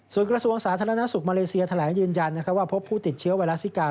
ส่วนกระทรวงสาธารณสุขมาเลเซียแถลงยืนยันว่าพบผู้ติดเชื้อไวรัสซิกา